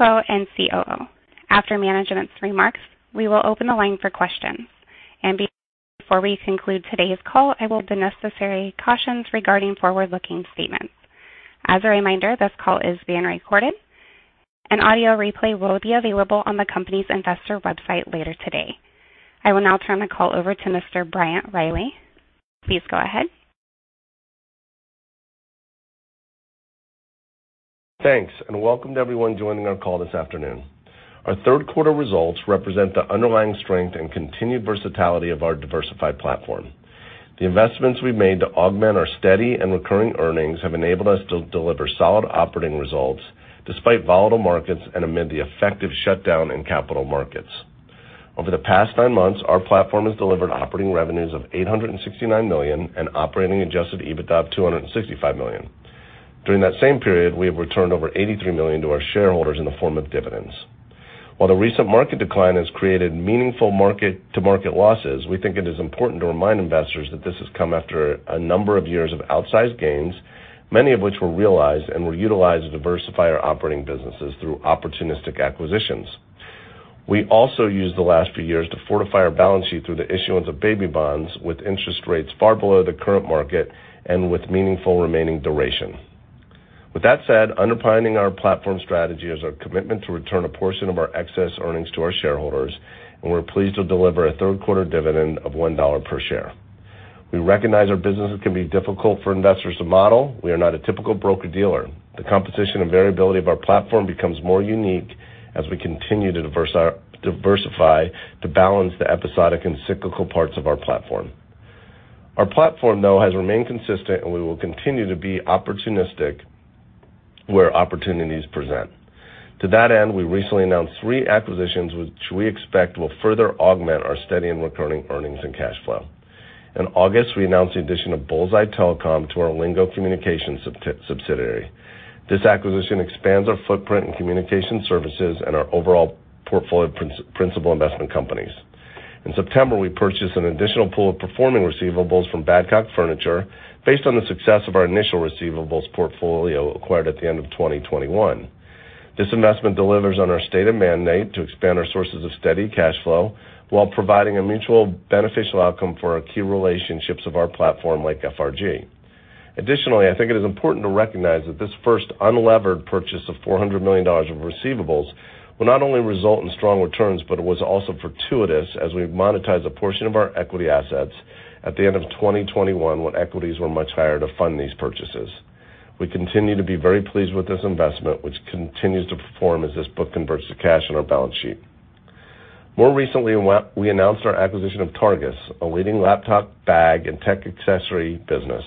and COO. After management's remarks, we will open the line for questions. Before we conclude today's call, I will read the necessary cautions regarding forward-looking statements. As a reminder, this call is being recorded. An audio replay will be available on the company's investor website later today. I will now turn the call over to Mr. Bryant Riley. Please go ahead. Thanks, and welcome to everyone joining our call this afternoon. Our third quarter results represent the underlying strength and continued versatility of our diversified platform. The investments we've made to augment our steady and recurring earnings have enabled us to deliver solid operating results despite volatile markets and amid the effective shutdown in capital markets. Over the past nine months, our platform has delivered operating revenues of $869 million and operating Adjusted EBITDA of $265 million. During that same period, we have returned over $83 million to our shareholders in the form of dividends. While the recent market decline has created meaningful mark-to-market losses, we think it is important to remind investors that this has come after a number of years of outsized gains, many of which were realized and were utilized to diversify our operating businesses through opportunistic acquisitions. We also used the last few years to fortify our balance sheet through the issuance of baby bonds with interest rates far below the current market and with meaningful remaining duration. With that said, underpinning our platform strategy is our commitment to return a portion of our excess earnings to our shareholders, and we're pleased to deliver a third-quarter dividend of $1 per share. We recognize our businesses can be difficult for investors to model. We are not a typical broker-dealer. The composition and variability of our platform becomes more unique as we continue to diversify to balance the episodic and cyclical parts of our platform. Our platform, though, has remained consistent, and we will continue to be opportunistic where opportunities present. To that end, we recently announced 3 acquisitions, which we expect will further augment our steady and recurring earnings and cash flow. In August, we announced the addition of BullsEye Telecom to our Lingo Communications sub-subsidiary. This acquisition expands our footprint in communication services and our overall portfolio of principal investment companies. In September, we purchased an additional pool of performing receivables from Badcock Furniture based on the success of our initial receivables portfolio acquired at the end of 2021. This investment delivers on our stated mandate to expand our sources of steady cash flow while providing a mutually beneficial outcome for our key relationships of our platform like FRG. Additionally, I think it is important to recognize that this first unlevered purchase of $400 million of receivables will not only result in strong returns, but it was also fortuitous as we've monetized a portion of our equity assets at the end of 2021 when equities were much higher to fund these purchases. We continue to be very pleased with this investment, which continues to perform as this book converts to cash on our balance sheet. More recently, we announced our acquisition of Targus, a leading laptop bag and tech accessory business.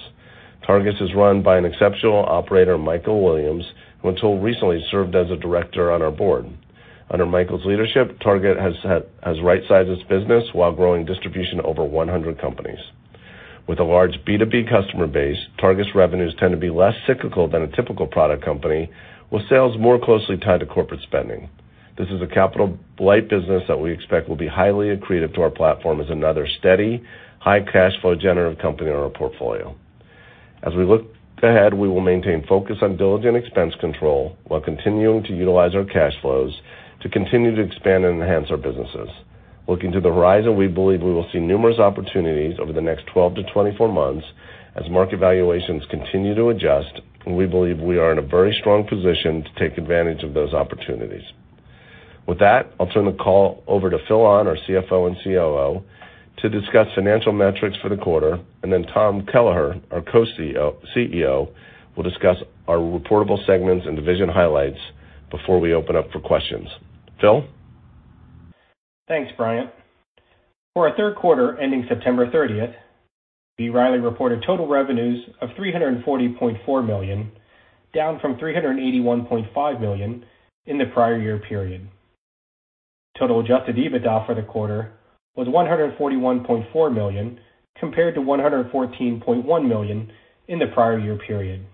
Targus is run by an exceptional operator, Mikel Williams, who until recently served as a director on our board. Under Mikel's leadership, Targus has right-sized its business while growing distribution to over 100 companies. With a large B2B customer base, Targus revenues tend to be less cyclical than a typical product company, with sales more closely tied to corporate spending. This is a capital light business that we expect will be highly accretive to our platform as another steady, high cash flow generative company in our portfolio. As we look ahead, we will maintain focus on diligent expense control while continuing to utilize our cash flows to continue to expand and enhance our businesses. Looking to the horizon, we believe we will see numerous opportunities over the next 12-24 months as market valuations continue to adjust, and we believe we are in a very strong position to take advantage of those opportunities. With that, I'll turn the call over to Phil Ahn, our CFO and COO, to discuss financial metrics for the quarter. Then Tom Kelleher, our co-CEO, CEO, will discuss our reportable segments and division highlights before we open up for questions. Phil? Thanks, Bryant. For our third quarter ending September 30, B. Riley reported total revenues of $340.4 million, down from $381.5 million in the prior year period. Total Adjusted EBITDA for the quarter was $141.4 million compared to $114.1 million in the prior year period.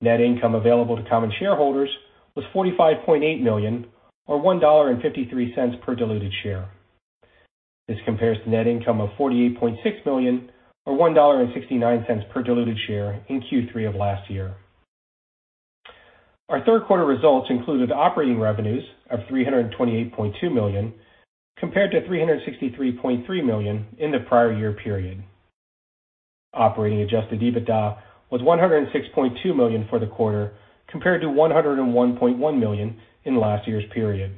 Net income available to common shareholders was $45.8 million or $1.53 per diluted share. This compares to net income of $48.6 million or $1.69 per diluted share in Q3 of last year. Our third quarter results included operating revenues of $328.2 million compared to $363.3 million in the prior year period. Operating Adjusted EBITDA was $106.2 million for the quarter compared to $101.1 million in last year's period.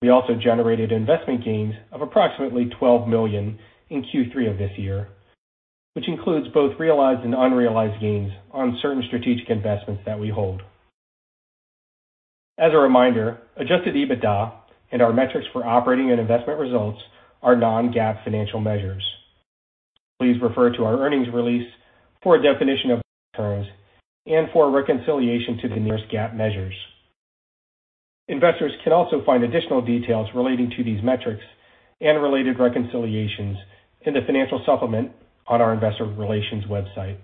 We also generated investment gains of approximately $12 million in Q3 of this year, which includes both realized and unrealized gains on certain strategic investments that we hold. As a reminder, Adjusted EBITDA and our metrics for operating and investment results are non-GAAP financial measures. Please refer to our earnings release for a definition of these terms and for a reconciliation to the nearest GAAP measures. Investors can also find additional details relating to these metrics and related reconciliations in the financial supplement on our investor relations website.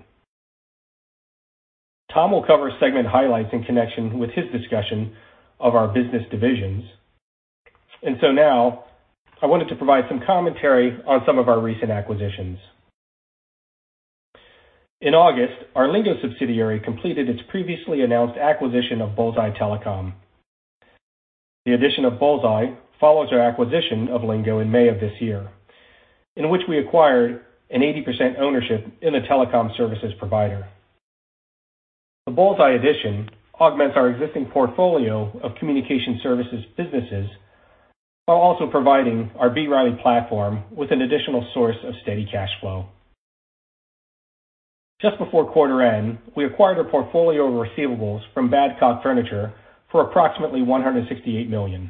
Tom will cover segment highlights in connection with his discussion of our business divisions. Now I wanted to provide some commentary on some of our recent acquisitions. In August, our Lingo subsidiary completed its previously announced acquisition of BullsEye Telecom. The addition of BullsEye follows our acquisition of Lingo in May of this year, in which we acquired an 80% ownership in the telecom services provider. The BullsEye addition augments our existing portfolio of communication services businesses while also providing our B. Riley platform with an additional source of steady cash flow. Just before quarter end, we acquired a portfolio of receivables from Badcock Furniture for approximately $168 million.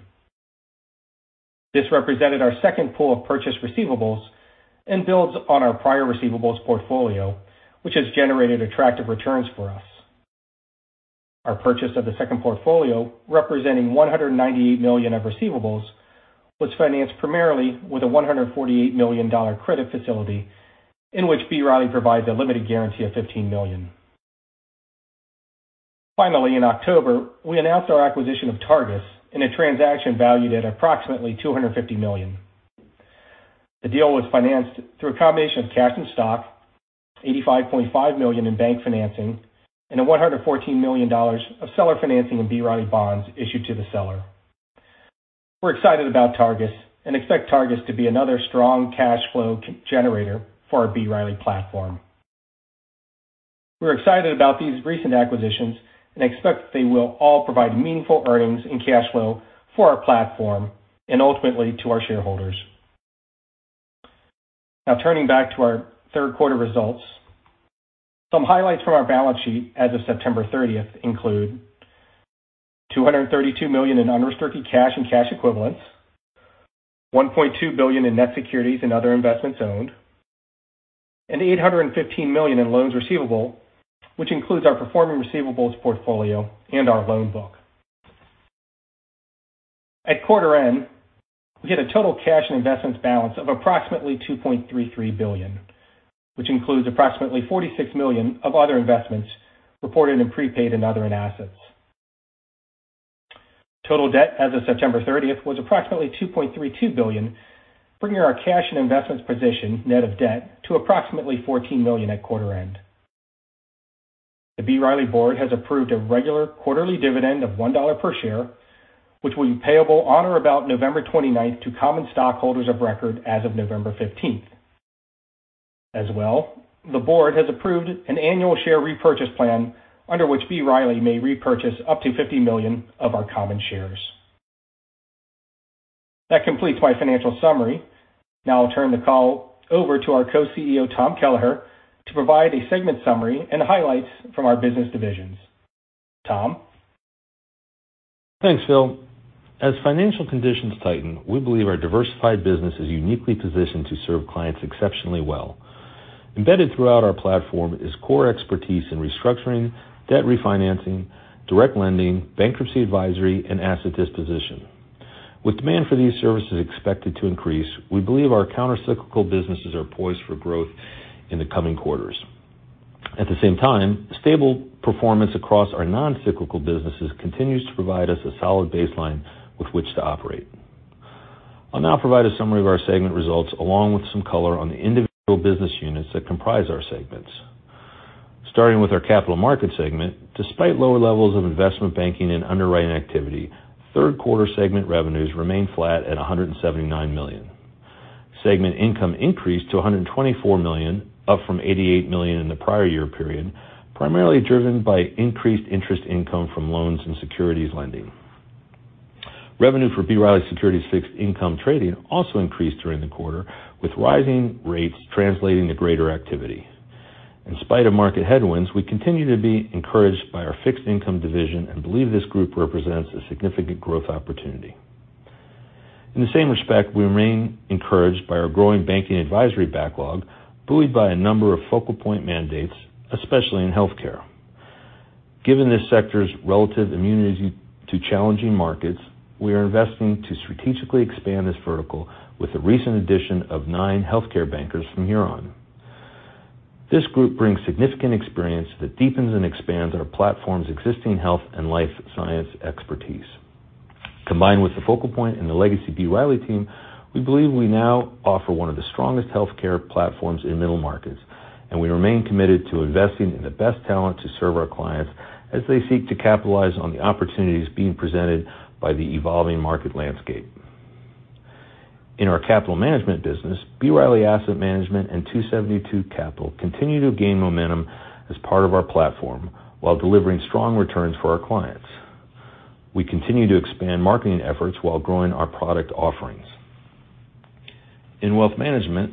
This represented our second pool of purchase receivables and builds on our prior receivables portfolio, which has generated attractive returns for us. Our purchase of the second portfolio, representing $198 million of receivables, was financed primarily with a $148 million credit facility in which B. Riley provides a limited guarantee of $15 million. Finally, in October, we announced our acquisition of Targus in a transaction valued at approximately $250 million. The deal was financed through a combination of cash and stock, $85.5 million in bank financing and $114 million of seller financing and B. Riley bonds issued to the seller. We're excited about Targus and expect Targus to be another strong cash flow generator for our B. Riley platform. We're excited about these recent acquisitions and expect that they will all provide meaningful earnings and cash flow for our platform and ultimately to our shareholders. Now, turning back to our third quarter results, some highlights from our balance sheet as of September 30 include $232 million in unrestricted cash and cash equivalents, $1.2 billion in net securities and other investments owned, and $815 million in loans receivable, which includes our performing receivables portfolio and our loan book. At quarter end, we had a total cash and investments balance of approximately $2.33 billion, which includes approximately $46 million of other investments reported in prepaid and other assets. Total debt as of September 30 was approximately $2.32 billion, bringing our cash and investments position net of debt to approximately $14 million at quarter end. The B. Riley board has approved a regular quarterly dividend of $1 per share, which will be payable on or about November twenty-ninth to common stockholders of record as of November fifteenth. As well, the board has approved an annual share repurchase plan under which B. Riley may repurchase up to 50 million of our common shares. That completes my financial summary. Now I'll turn the call over to our co-CEO, Tom Kelleher, to provide a segment summary and highlights from our business divisions. Tom? Thanks, Phil. As financial conditions tighten, we believe our diversified business is uniquely positioned to serve clients exceptionally well. Embedded throughout our platform is core expertise in restructuring, debt refinancing, direct lending, bankruptcy advisory and asset disposition. With demand for these services expected to increase, we believe our countercyclical businesses are poised for growth in the coming quarters. At the same time, stable performance across our non-cyclical businesses continues to provide us a solid baseline with which to operate. I'll now provide a summary of our segment results along with some color on the individual business units that comprise our segments. Starting with our capital markets segment. Despite lower levels of investment banking and underwriting activity, third quarter segment revenues remained flat at $179 million. Segment income increased to $124 million, up from $88 million in the prior year period, primarily driven by increased interest income from loans and securities lending. Revenue for B. Riley Securities' fixed income trading also increased during the quarter, with rising rates translating to greater activity. In spite of market headwinds, we continue to be encouraged by our fixed income division and believe this group represents a significant growth opportunity. In the same respect, we remain encouraged by our growing banking advisory backlog, buoyed by a number of FocalPoint mandates, especially in healthcare. Given this sector's relative immunity to challenging markets, we are investing to strategically expand this vertical with the recent addition of nine healthcare bankers from Huron. This group brings significant experience that deepens and expands our platform's existing health and life science expertise. Combined with the FocalPoint and the legacy B. Riley team, we believe we now offer one of the strongest healthcare platforms in middle markets, and we remain committed to investing in the best talent to serve our clients as they seek to capitalize on the opportunities being presented by the evolving market landscape. In our capital management business, B. Riley Asset Management and 272 Capital continue to gain momentum as part of our platform while delivering strong returns for our clients. We continue to expand marketing efforts while growing our product offerings. In wealth management,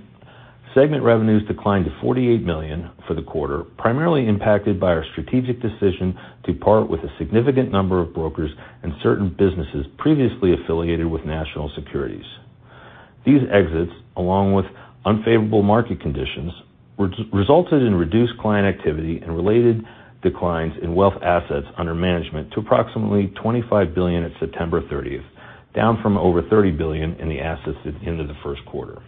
segment revenues declined to $48 million for the quarter, primarily impacted by our strategic decision to part with a significant number of brokers and certain businesses previously affiliated with National Securities. These exits, along with unfavorable market conditions, resulted in reduced client activity and related declines in wealth assets under management to approximately $25 billion at September 30, down from over $30 billion in assets at the end of the first quarter.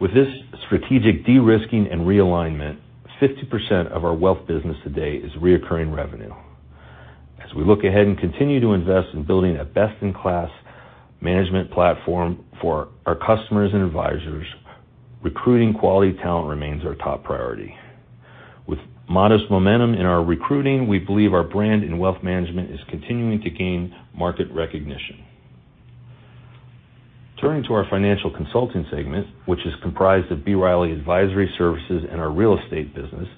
With this strategic de-risking and realignment, 50% of our wealth business today is recurring revenue. As we look ahead and continue to invest in building a best-in-class management platform for our customers and advisors, recruiting quality talent remains our top priority. With modest momentum in our recruiting, we believe our brand in wealth management is continuing to gain market recognition. Turning to our financial consulting segment, which is comprised of B. Riley Advisory Services. Riley Advisory Services and our real estate business,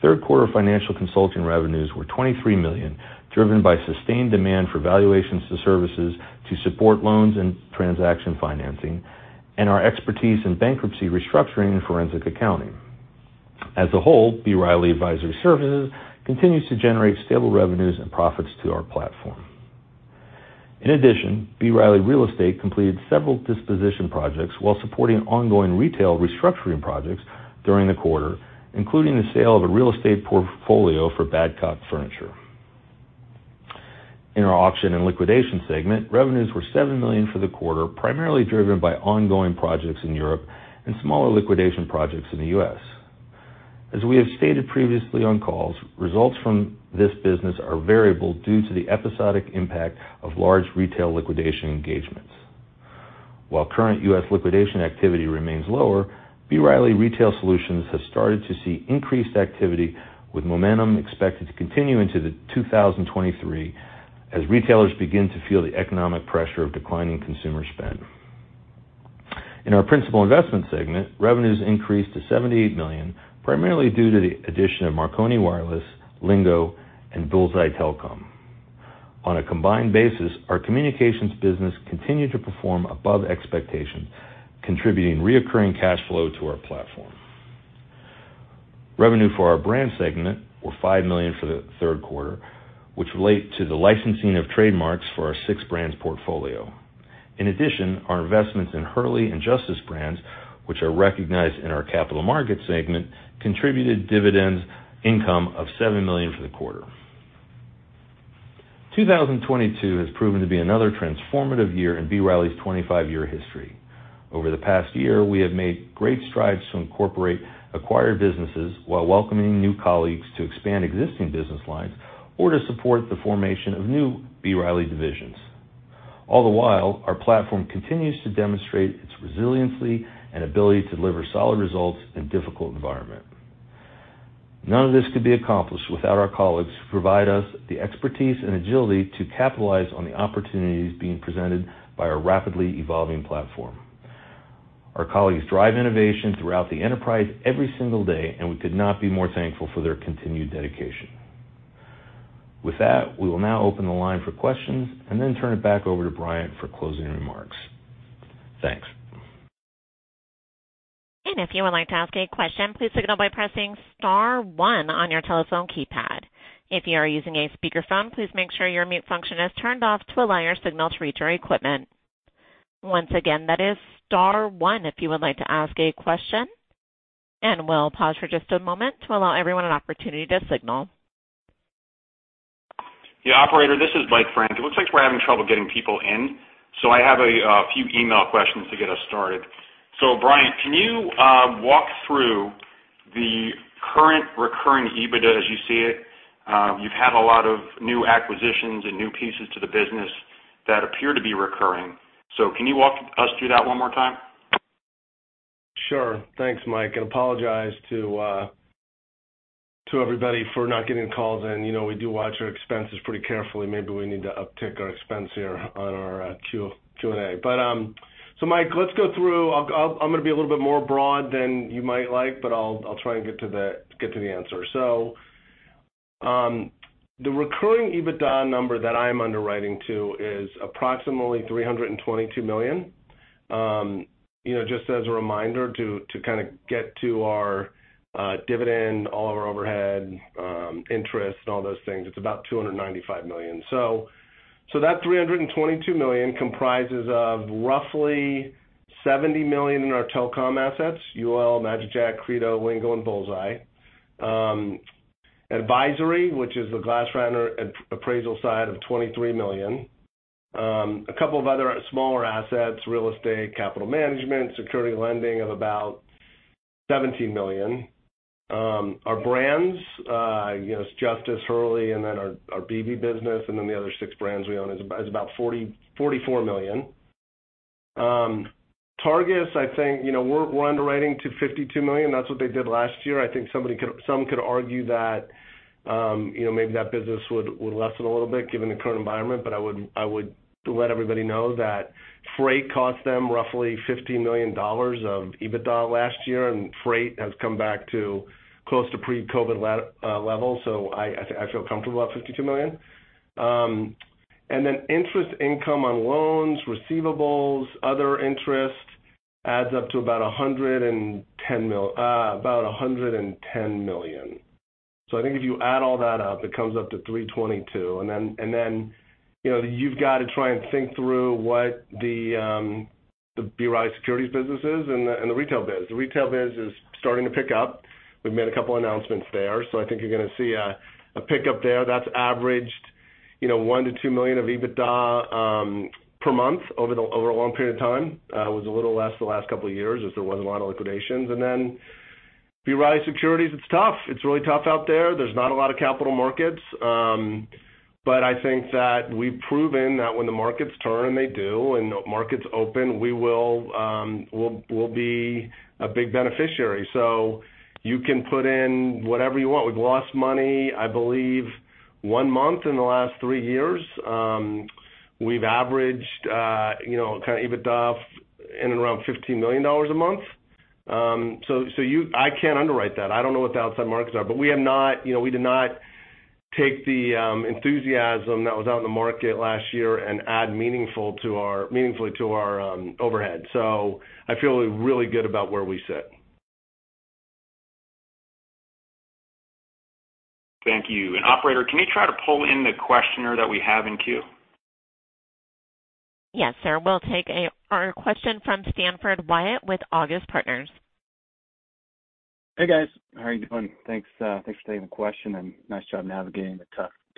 third quarter financial consulting revenues were $23 million, driven by sustained demand for valuation services to support loans and transaction financing and our expertise in bankruptcy restructuring and forensic accounting. B. Riley Advisory Services continues to generate stable revenues and profits to our platform. B. Riley Real Estate completed several disposition projects while supporting ongoing retail restructuring projects during the quarter, including the sale of a real estate portfolio for Badcock Furniture. In our auction and liquidation segment, revenues were $7 million for the quarter, primarily driven by ongoing projects in Europe and smaller liquidation projects in the U.S. As we have stated previously on calls, results from this business are variable due to the episodic impact of large retail liquidation engagements. While current U.S. liquidation activity remains lower, B. Riley Retail Solutions has started to see increased activity with momentum expected to continue into 2023 as retailers begin to feel the economic pressure of declining consumer spend. In our principal investment segment, revenues increased to $78 million, primarily due to the addition of Marconi Wireless, Lingo, and BullsEye Telecom. On a combined basis, our communications business continued to perform above expectations, contributing recurring cash flow to our platform. Revenue for our brand segment were $5 million for the third quarter, which relate to the licensing of trademarks for our six brands portfolio. In addition, our investments in Hurley and Justice brands, which are recognized in our capital market segment, contributed dividend income of $7 million for the quarter. 2022 has proven to be another transformative year in B. Riley's 25-year history. Over the past year, we have made great strides to incorporate acquired businesses while welcoming new colleagues to expand existing business lines or to support the formation of new B. Riley divisions. All the while, our platform continues to demonstrate its resiliency and ability to deliver solid results in difficult environment. None of this could be accomplished without our colleagues who provide us the expertise and agility to capitalize on the opportunities being presented by our rapidly evolving platform. Our colleagues drive innovation throughout the enterprise every single day, and we could not be more thankful for their continued dedication. With that, we will now open the line for questions and then turn it back over to Bryant for closing remarks. Thanks. If you would like to ask a question, please signal by pressing star one on your telephone keypad. If you are using a speakerphone, please make sure your mute function is turned off to allow your signal to reach our equipment. Once again, that is star one if you would like to ask a question, and we'll pause for just a moment to allow everyone an opportunity to signal. Yeah, operator, this is Mike Frank. It looks like we're having trouble getting people in. I have a few email questions to get us started. Bryant, can you walk through the current recurring EBITDA as you see it? You've had a lot of new acquisitions and new pieces to the business that appear to be recurring. Can you walk us through that one more time? Sure. Thanks, Mike, and apologize to everybody for not getting calls in. You know, we do watch our expenses pretty carefully. Maybe we need to uptick our expense here on our Q&A. Mike, let's go through. I'm gonna be a little bit more broad than you might like, but I'll try and get to the answer. The recurring EBITDA number that I'm underwriting to is approximately $322 million. You know, just as a reminder to kinda get to our dividend, all of our overhead, interest and all those things, it's about $295 million. That $322 million comprises of roughly $70 million in our telecom assets, UOL, magicJack, Credo, Lingo, and BullsEye. Advisory, which is the GlassRatner appraisal side of $23 million. A couple of other smaller assets, real estate, capital management, security lending of about $17 million. Our brands, you know, it's Justice, Hurley, and then our BV business, and then the other six brands we own is about $44 million. Targus, I think, you know, we're underwriting to $52 million. That's what they did last year. I think some could argue that, you know, maybe that business would lessen a little bit given the current environment, but I would let everybody know that freight cost them roughly $50 million of EBITDA last year, and freight has come back to close to pre-COVID levels, so I feel comfortable at $52 million. And then interest income on loans, receivables, other interest. adds up to about $110 million. I think if you add all that up, it comes up to $322 million. You know, you've got to try and think through what the B. Riley Securities business is and the retail biz. The retail biz is starting to pick up. We've made a couple announcements there, so I think you're gonna see a pickup there. That's averaged, you know, $1 million-$2 million of EBITDA per month over a long period of time. It was a little less the last couple of years as there wasn't a lot of liquidations. B. Riley Securities, it's tough. It's really tough out there. There's not a lot of capital markets. I think that we've proven that when the markets turn, and they do, and the markets open, we will, we'll be a big beneficiary. You can put in whatever you want. We've lost money, I believe, one month in the last three years. We've averaged, you know, kind of EBITDA in and around $15 million a month. So you—I can't underwrite that. I don't know what the outside markets are, but we have not, you know, we did not take the enthusiasm that was out in the market last year and add meaningfully to our overhead. I feel really good about where we sit. Thank you. Operator, can you try to pull in the questioner that we have in queue? Yes, sir. We'll take a question from Stanford Wyatt with August Partners. Hey, guys. How are you doing? Thanks for taking the question and nice job navigating the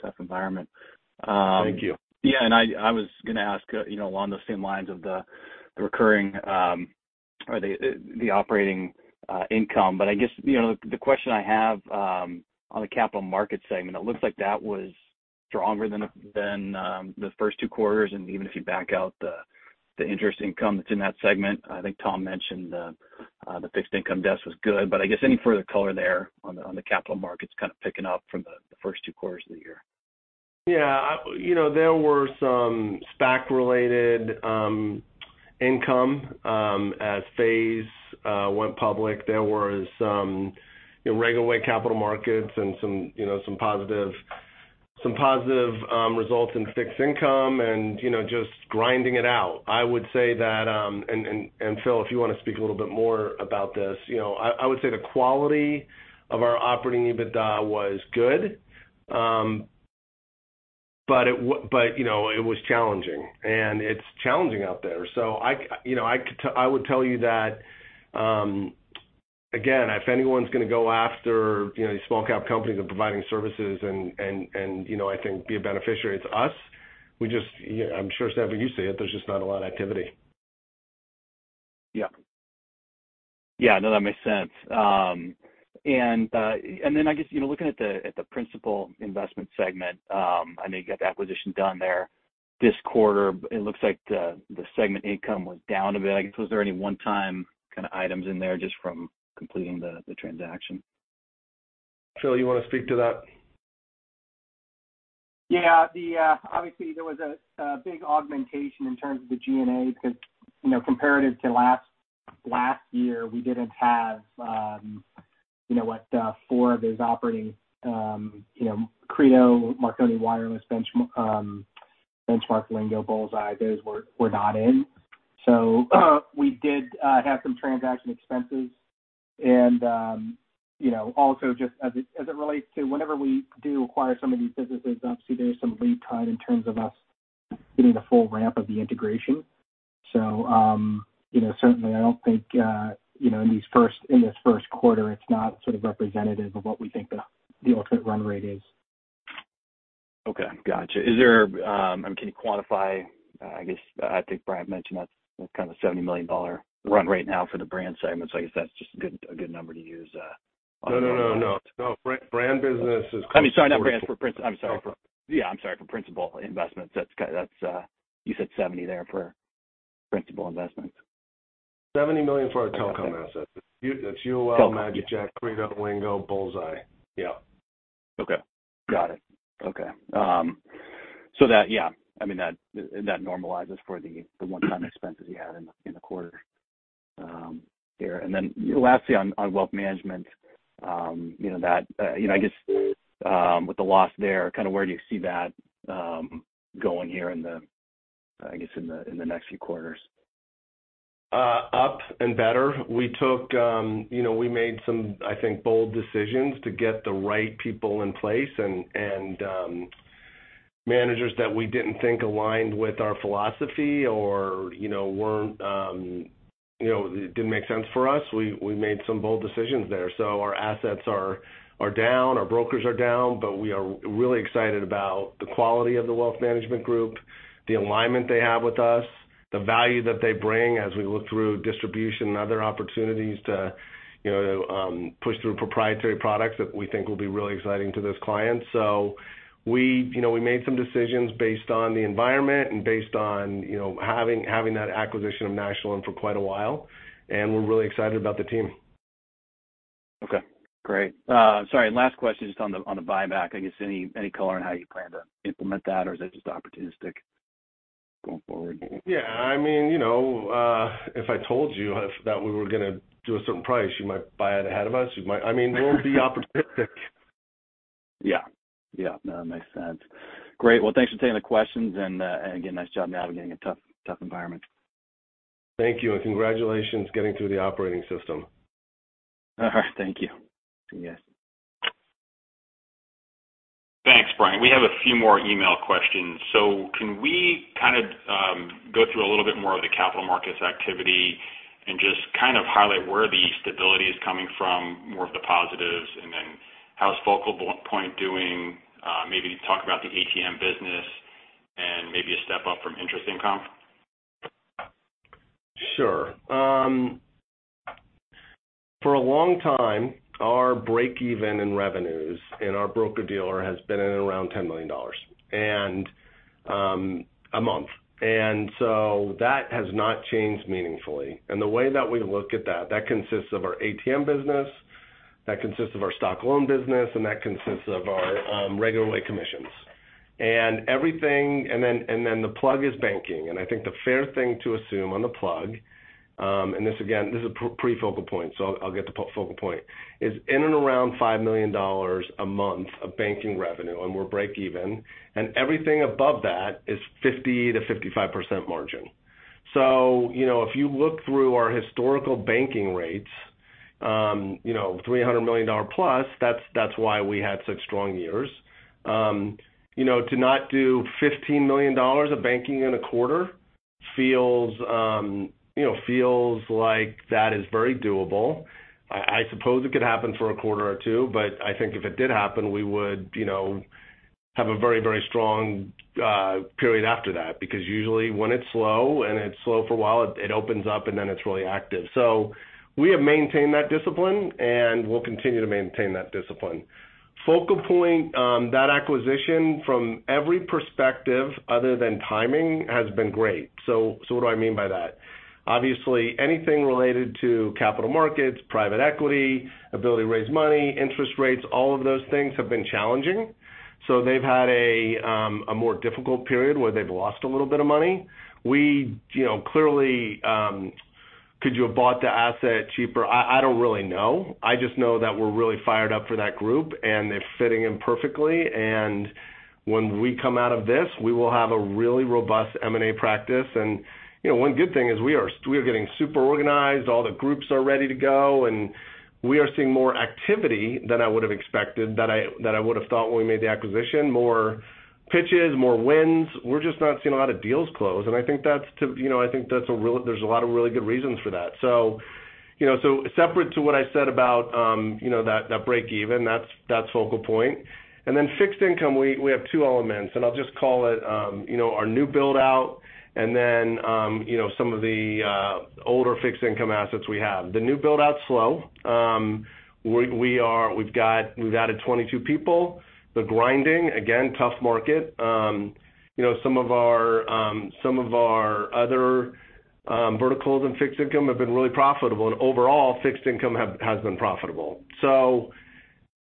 tough environment. Thank you. Yeah. I was gonna ask, you know, along those same lines of the recurring or the operating income. I guess, you know, the question I have on the capital market segment. It looks like that was stronger than the first two quarters. Even if you back out the interest income that's in that segment, I think Tom mentioned the fixed income desk was good. I guess any further color there on the capital markets kind of picking up from the first two quarters of the year. Yeah. You know, there were some SPAC-related income as FaZe went public. There was some, you know, regular capital markets and some, you know, some positive results in fixed income and, you know, just grinding it out. I would say that, and Phil, if you wanna speak a little bit more about this, you know, I would say the quality of our operating EBITDA was good. You know, it was challenging and it's challenging out there. I you know, would tell you that, again, if anyone's gonna go after, you know, these small-cap companies and providing services and, you know, I think be a beneficiary, it's us. We just, you know, I'm sure, Stanford, you see it, there's just not a lot of activity. Yeah. No, that makes sense. And then I guess, you know, looking at the principal investment segment, I know you got the acquisition done there this quarter. It looks like the segment income was down a bit. I guess, was there any one-time kind of items in there just from completing the transaction? Phil, you wanna speak to that? Yeah. The obviously there was a big augmentation in terms of the G&A because, you know, compared to last year, we didn't have, you know, what four of those operating, you know, Credo, Marconi Wireless, Benchmark, Lingo, BullsEye, those were not in. We did have some transaction expenses and, you know, also just as it relates to whenever we do acquire some of these businesses, obviously there's some lead time in terms of us hitting the full ramp of the integration. You know, certainly I don't think, you know, in this first quarter, it's not sort of representative of what we think the ultimate run rate is. Okay. Gotcha. Is there, I mean, can you quantify, I guess, I think Bryant mentioned that's kind of $70 million run right now for the brand segment. I guess that's just a good number to use, on. No. Brand business is. I mean, sorry, not brand. I'm sorry for. I'm sorry for principal investments. That's you said 70 there for principal investments. $70 million for our telecom assets. It's UOL, magicJack, Credo, Lingo, BullsEye. Yeah. Okay. Got it. So that, yeah, I mean, that normalizes for the one-time expenses you had in the quarter there. Then lastly on wealth management, you know, I guess, with the loss there, kind of where do you see that going here in the next few quarters? Up and better. We made some, I think, bold decisions to get the right people in place and managers that we didn't think aligned with our philosophy or, you know, weren't, you know, it didn't make sense for us. We made some bold decisions there. Our assets are down, our brokers are down, but we are really excited about the quality of the wealth management group, the alignment they have with us, the value that they bring as we look through distribution and other opportunities to, you know, push through proprietary products that we think will be really exciting to those clients. We made some decisions based on the environment and based on, you know, having that acquisition of National Holdings for quite a while, and we're really excited about the team. Okay, great. Sorry, last question, just on the buyback. I guess any color on how you plan to implement that or is it just opportunistic going forward? Yeah. I mean, you know, if I told you that we were gonna do a certain price, you might buy it ahead of us. I mean, we'll be opportunistic. Yeah. Yeah. No, that makes sense. Great. Well, thanks for taking the questions and again, nice job navigating a tough environment. Thank you, and congratulations getting through the operating system. All right. Thank you. See you guys. Thanks, Bryant. We have a few more email questions. Can we kind of go through a little bit more of the capital markets activity and just kind of highlight where the stability is coming from, more of the positives, and then how's FocalPoint doing, maybe talk about the ATM business and maybe a step up from interest income? Sure. For a long time, our breakeven in revenues in our broker-dealer has been at around $10 million a month. That has not changed meaningfully. The way that we look at that consists of our ATM business, that consists of our stock loan business, and that consists of our regular way commissions. Then the plug is banking, and I think the fair thing to assume on the plug, and this again, this is pre-FocalPoint, so I'll get to FocalPoint, is in and around $5 million a month of banking revenue, and we're breakeven. Everything above that is 50%-55% margin. You know, if you look through our historical banking rates, you know, $300 million plus, that's why we had such strong years. You know, to not do $15 million of banking in a quarter feels, you know, feels like that is very doable. I suppose it could happen for a quarter or two, but I think if it did happen, we would, you know, have a very, very strong period after that because usually when it's slow, and it's slow for a while, it opens up, and then it's really active. We have maintained that discipline, and we'll continue to maintain that discipline. FocalPoint, that acquisition from every perspective other than timing has been great. What do I mean by that? Obviously, anything related to capital markets, private equity, ability to raise money, interest rates, all of those things have been challenging. They've had a more difficult period where they've lost a little bit of money. You know, clearly, could you have bought the asset cheaper? I don't really know. I just know that we're really fired up for that group, and they're fitting in perfectly. When we come out of this, we will have a really robust M&A practice. You know, one good thing is we are getting super organized. All the groups are ready to go, and we are seeing more activity than I would've expected, that I would've thought when we made the acquisition, more pitches, more wins. We're just not seeing a lot of deals close. I think that's to, you know, I think that's a real. There's a lot of really good reasons for that. You know, separate to what I said about, you know, that breakeven, that's FocalPoint. Fixed income, we have two elements, and I'll just call it, you know, our new build-out and then, you know, some of the older fixed income assets we have. The new build-out's slow. We have added 22 people. They're grinding. Again, tough market. You know, some of our other verticals in fixed income have been really profitable, and overall, fixed income has been profitable.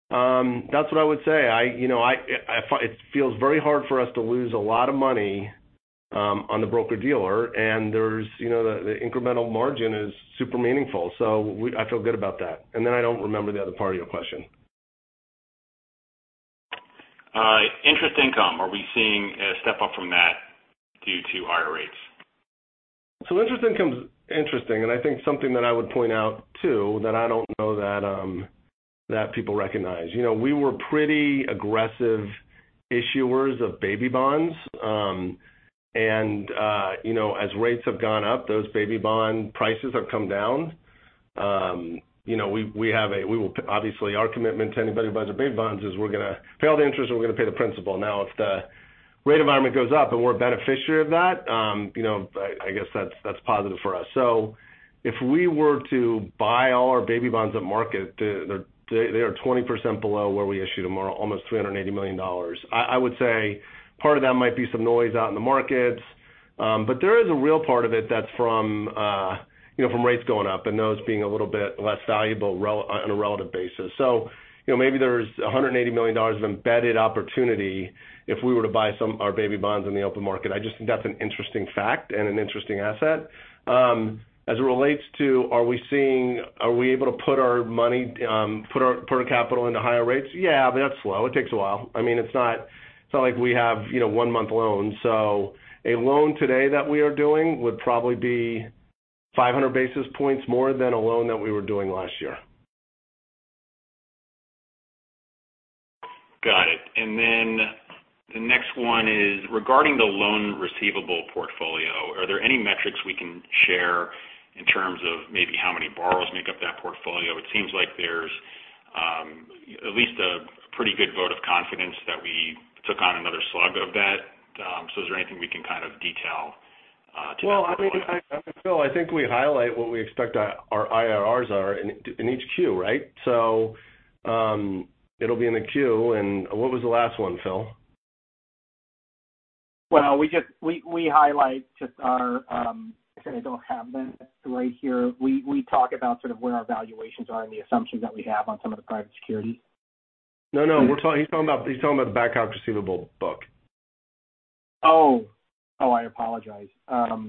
That's what I would say. You know, it feels very hard for us to lose a lot of money on the broker-dealer, and there's, you know, the incremental margin is super meaningful. I feel good about that. I don't remember the other part of your question. Interest income, are we seeing a step up from that due to higher rates? Interest income's interesting, and I think something that I would point out, too, that I don't know that people recognize. You know, we were pretty aggressive issuers of baby bonds. You know, as rates have gone up, those baby bond prices have come down. Obviously, our commitment to anybody who buys our baby bonds is we're gonna pay all the interest, and we're gonna pay the principal. Now, if the rate environment goes up and we're a beneficiary of that, I guess that's positive for us. If we were to buy all our baby bonds at market, they are 20% below where we issued them or almost $380 million. I would say part of that might be some noise out in the markets. There is a real part of it that's from, you know, from rates going up and those being a little bit less valuable on a relative basis. You know, maybe there's $180 million of embedded opportunity if we were to buy our baby bonds in the open market. I just think that's an interesting fact and an interesting asset. As it relates to are we able to put our money, put our capital into higher rates? Yeah, but that's slow. It takes a while. I mean, it's not like we have, you know, one-month loans. A loan today that we are doing would probably be 500 basis points more than a loan that we were doing last year. Got it. Then the next one is regarding the loan receivable portfolio. Are there any metrics we can share in terms of maybe how many borrowers make up that portfolio? It seems like there's at least a pretty good vote of confidence that we took on another slug of that. Is there anything we can kind of detail to that point? Well, I mean, Phil, I think we highlight what we expect our IRRs are in each Q, right? It'll be in the Q. What was the last one, Phil? Well, we highlight just our actually I don't have that slide here. We talk about sort of where our valuations are and the assumptions that we have on some of the private securities. No. He's talking about the back-out receivable book. Oh. Oh, I apologize. Let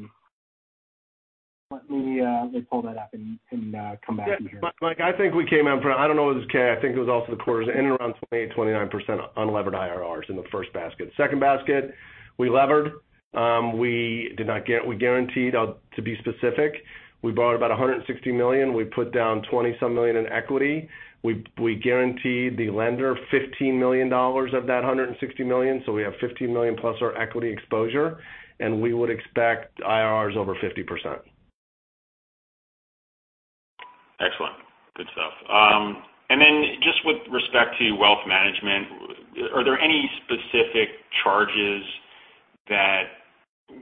me pull that up and come back to you. Yeah. Mike, I think we came out for I don't know. It was K. I think it was also the quarters in and around 28%-29% unlevered IRRs in the first basket. Second basket, we levered. We guaranteed, to be specific. We borrowed about $160 million. We put down 20 some million in equity. We guaranteed the lender $15 million of that $160 million, so we have $15 million plus our equity exposure, and we would expect IRRs over 50%. Excellent. Good stuff. Just with respect to wealth management, are there any specific charges that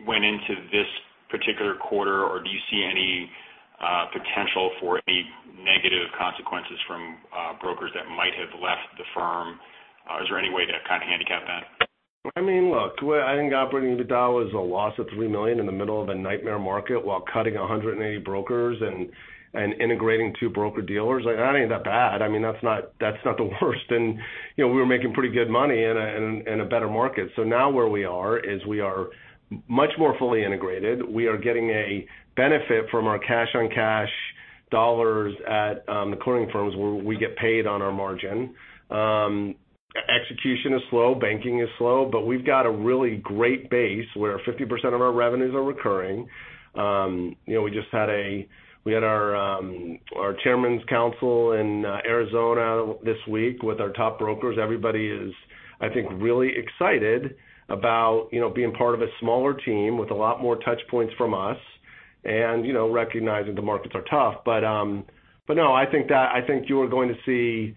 went into this particular quarter, or do you see any potential for any negative consequences from brokers that might have left the firm? Is there any way to kind of handicap that? I mean, look, I think operating EBITDA was a loss of $3 million in the middle of a nightmare market while cutting 180 brokers and integrating 2 broker-dealers. Like that ain't that bad. I mean, that's not the worst. You know, we were making pretty good money in a better market. Now where we are is we are much more fully integrated. We are getting a benefit from our cash-on-cash dollars at the clearing firms where we get paid on our margin. Execution is slow, banking is slow, but we've got a really great base where 50% of our revenues are recurring. You know, we just had our chairman's council in Arizona this week with our top brokers. Everybody is, I think, really excited about, you know, being part of a smaller team with a lot more touch points from us and, you know, recognizing the markets are tough. I think you are going to see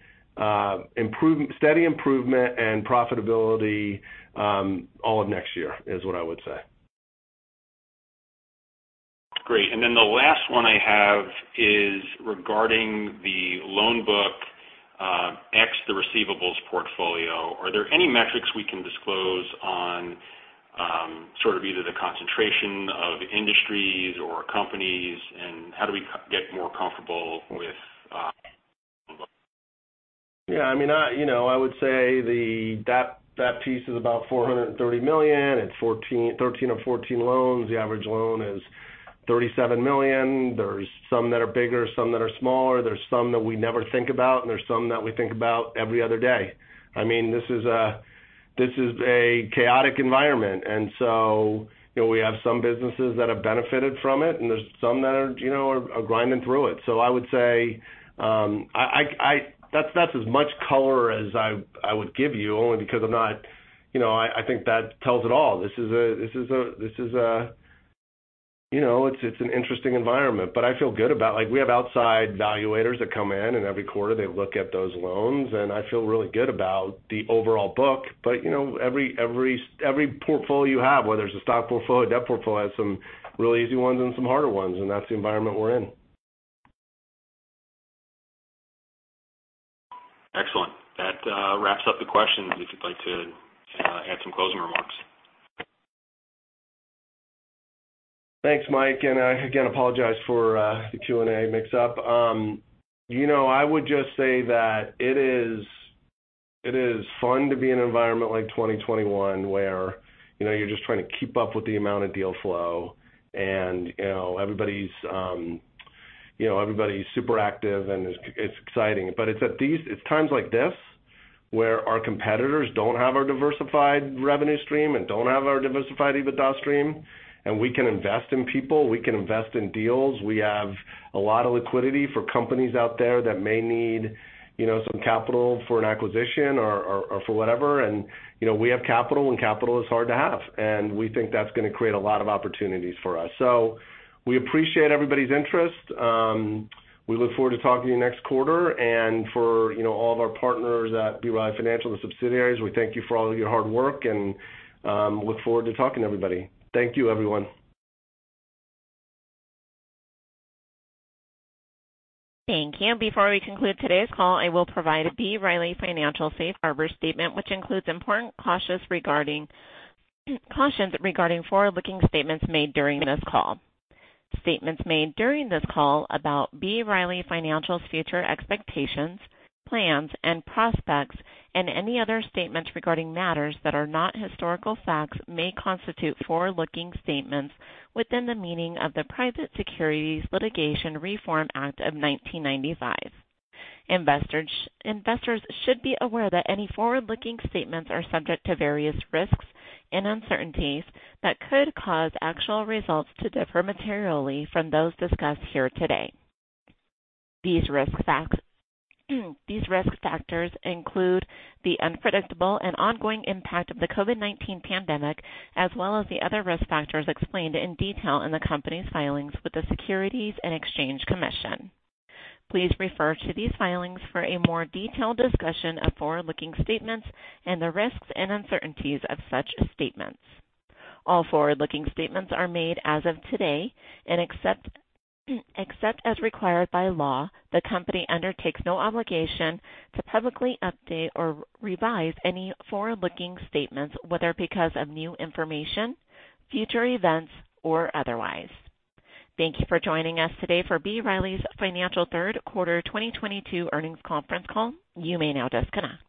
steady improvement and profitability all of next year, is what I would say. Great. The last one I have is regarding the loan book, the receivables portfolio. Are there any metrics we can disclose on, sort of either the concentration of industries or companies and how do we get more comfortable with? Yeah, I mean. You know, I would say that piece is about $430 million. It's 13 or 14 loans. The average loan is $37 million. There's some that are bigger, some that are smaller. There's some that we never think about, and there's some that we think about every other day. I mean, this is a chaotic environment. You know, we have some businesses that have benefited from it, and there's some that are, you know, grinding through it. I would say that's as much color as I would give you, only because I'm not. You know, I think that tells it all. This is an interesting environment, but I feel good about. Like, we have outside valuators that come in, and every quarter they look at those loans, and I feel really good about the overall book. You know, every portfolio you have, whether it's a stock portfolio, a debt portfolio, has some really easy ones and some harder ones, and that's the environment we're in. Excellent. That wraps up the questions if you'd like to add some closing remarks. Thanks, Mike, and I again apologize for the Q&A mix up. You know, I would just say that it is fun to be in an environment like 2021, where, you know, you're just trying to keep up with the amount of deal flow and, you know, everybody's super active, and it's exciting. It's times like this where our competitors don't have our diversified revenue stream and don't have our diversified EBITDA stream, and we can invest in people, we can invest in deals. We have a lot of liquidity for companies out there that may need, you know, some capital for an acquisition or for whatever. You know, we have capital, and capital is hard to have, and we think that's gonna create a lot of opportunities for us. We appreciate everybody's interest. We look forward to talking to you next quarter. For, you know, all of our partners at B. Riley Financial and subsidiaries, we thank you for all of your hard work and look forward to talking to everybody. Thank you, everyone. Thank you. Before we conclude today's call, I will provide a B. Riley Financial safe harbor statement, which includes important cautions regarding forward-looking statements made during this call. Statements made during this call about B. Riley Financial's future expectations, plans and prospects and any other statements regarding matters that are not historical facts may constitute forward-looking statements within the meaning of the Private Securities Litigation Reform Act of 1995. Investors should be aware that any forward-looking statements are subject to various risks and uncertainties that could cause actual results to differ materially from those discussed here today. These risk factors include the unpredictable and ongoing impact of the COVID-19 pandemic as well as the other risk factors explained in detail in the company's filings with the Securities and Exchange Commission. Please refer to these filings for a more detailed discussion of forward-looking statements and the risks and uncertainties of such statements. All forward-looking statements are made as of today, and except as required by law, the company undertakes no obligation to publicly update or revise any forward-looking statements, whether because of new information, future events, or otherwise. Thank you for joining us today for B. Riley Financial's third quarter 2022 earnings conference call. You may now disconnect.